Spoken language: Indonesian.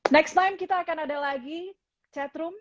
next time kita akan ada lagi chatroom